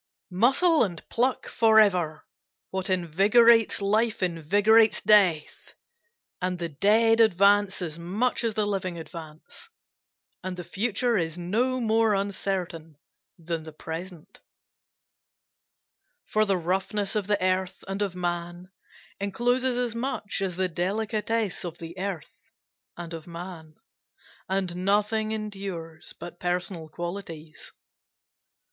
4 Muscle and pluck forever! What invigorates life invigorates death, And the dead advance as much as the living advance, And the future is no more uncertain than the present, For the roughness of the earth and of man encloses as much as the delicatesse of the earth and of man, And nothing endures but personal qualities.